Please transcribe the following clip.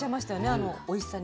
あのおいしさに。